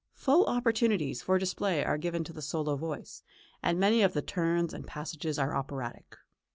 Full opportunities for display are given to the solo voice, and many of the turns and passages are operatic.